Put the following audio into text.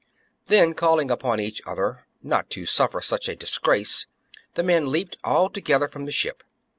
Then, calling upon each other not to suffer such a dis grace, the men leaped all together from the ship.